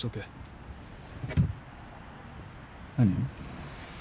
何？